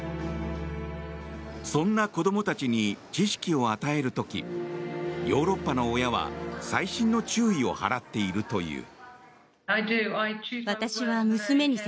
そんな子供たちに知識を与える時ヨーロッパの親は細心の注意を払っているという。